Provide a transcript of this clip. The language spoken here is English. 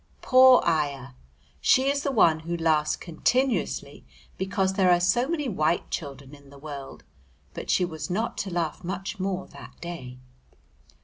Poor ayah! she is the one who laughs continuously because there are so many white children in the world, but she was not to laugh much more that day.